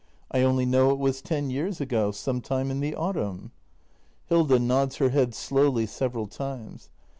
I only know it was ten years ago. Some time in the autumn. Hilda. [Nods her head slowly several times.